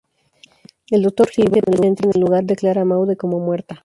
El Dr. Hibbert, presente en el lugar, declara a Maude como muerta.